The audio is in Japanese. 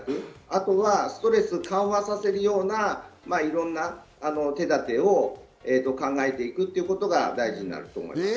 あとはストレスを緩和させるようないろんな手だてを考えていくということが大事になると思います。